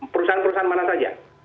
perusahaan perusahaan mana saja